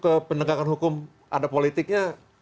ke penegakan hukum ada politiknya